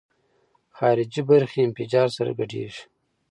خارجي برخې انفجار سره ګډېږي.